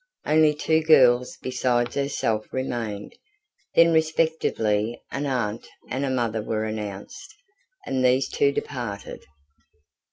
Only two girls besides herself remained. Then respectively an aunt and a mother were announced, and these two departed.